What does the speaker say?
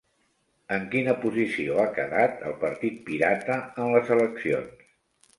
En quina posició ha quedat el Partit Pirata en les eleccions?